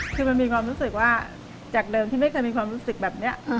คือมันมีความรู้สึกว่าจากเดิมที่ไม่เคยมีความรู้สึกแบบนี้